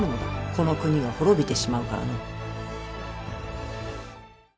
この国が滅びてしまうからの。